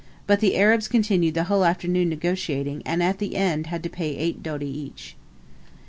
But the Arabs continued the whole afternoon negotiating, and at the end had to pay eight doti each.